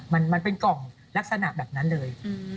มันเป็นกล่องลักษณะแบบนั้นเลย